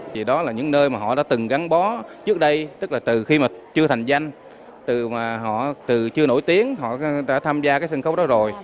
vì đó là những nơi mà họ đã từng gắn bó trước đây tức là từ khi mà chưa thành danh từ mà họ từ chưa nổi tiếng họ đã tham gia cái sân khấu đó rồi